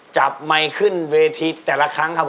จับไมค์ขึ้นเวทีแต่ละครั้ง